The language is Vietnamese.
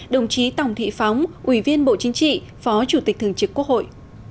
đồng chí tòng thị phóng ủy viên bộ chính trị phó chủ tịch thường trực quốc hội